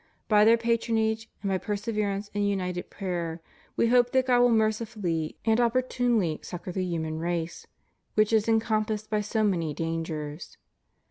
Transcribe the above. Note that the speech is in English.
By their patronage, and by perseverance in united prayer. We hope that God will mercifully and opportunely succor the human race, which is enconi' passed by so many dangers.